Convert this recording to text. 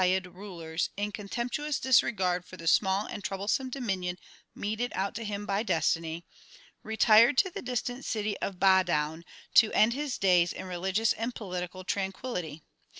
INTRODUCTION Ixxi rulers, in contemptuous disregard for the small and trouble some dominion meted out to him by destiny, retired to the distant city of Badaun to end his days in religious and political tranquillity.